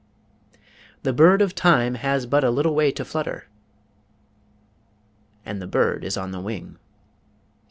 The bird of time has but a little way to flutter, and the bird is on the wing.